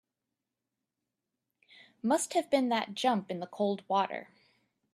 Must have been that jump in the cold water.